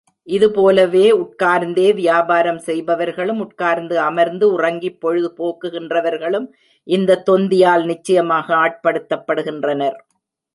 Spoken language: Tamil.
இதுபோலவே உட்கார் ந்தே வியாபாரம் செய்பவர்களும், உட்கார்ந்து, அமர்ந்து உறங்கிப் பொழுது போக்குகின்றவர்களும் இந்தத் தொந்தியால் நிச்சயமாக ஆட்படுத்தப்படுகின்றனர்.